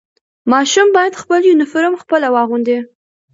ماشوم باید خپل یونیفرم خپله واغوندي.